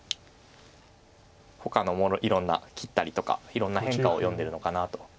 ほかのいろんな切ったりとかいろんな変化を読んでるのかなと。